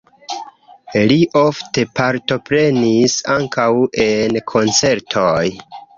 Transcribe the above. Li ofte partoprenis ankaŭ en koncertoj.